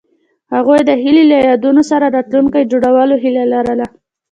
هغوی د هیلې له یادونو سره راتلونکی جوړولو هیله لرله.